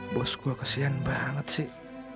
bos gue kasihan banget sih